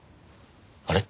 あれ？